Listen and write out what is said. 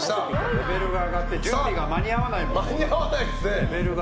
レベルが上がって準備が間に合わないもん。